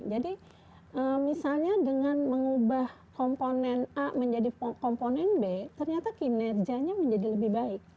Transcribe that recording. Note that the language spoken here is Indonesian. jadi misalnya dengan mengubah komponen a menjadi komponen b ternyata kinerjanya menjadi lebih baik